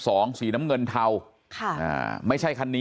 ส่วนเรื่องทางคดีนะครับตำรวจก็มุ่งไปที่เรื่องการฆาตฉิงทรัพย์นะครับ